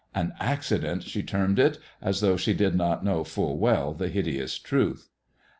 An accident, she termed it, as though she did not know full well the hideous truth.